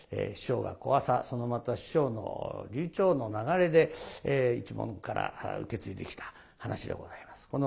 師匠が小朝そのまた師匠の柳朝の流れで一門から受け継いできた噺でございます。